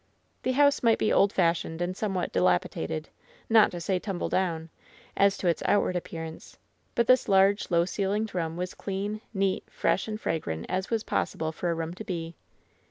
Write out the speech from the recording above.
The house might be old fashioned and somewhat dilapidated, not to say tumble down, as to its outward appearance; but this large, low ceiled room was clean, neat, fresh and fragrant as it was possible for a room to be.